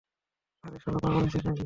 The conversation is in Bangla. আরে শালা, পাগল হয়েছিস নাকি?